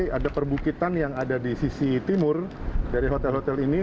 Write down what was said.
ada perbukitan yang ada di sisi timur dari hotel hotel ini